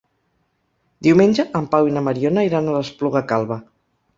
Diumenge en Pau i na Mariona iran a l'Espluga Calba.